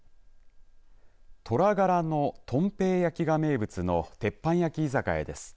虎柄のとんぺい焼きが名物の鉄板焼き居酒屋です。